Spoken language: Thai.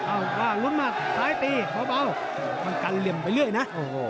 อ้าวดูลุกมากซ้ายตีเบามันกันเหลี่ยมไปเรื่อยนะ